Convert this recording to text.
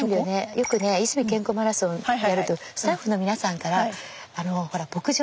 よくねいすみ健康マラソンやるとスタッフの皆さんからほら牧場の。